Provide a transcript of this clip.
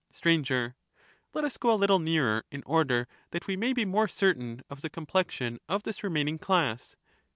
rivals of Str, Let us go a little nearer, in order that we may be the king, more certain of the complexion of this remaining class.